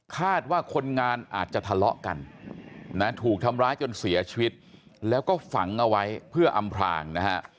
คาดว่าคนงานอาจจะทะเลาะกันนะถูกทำร้ายจนเสียชีวิตแล้วก็ฝังเอาไว้เพื่ออำพลางนะฮะ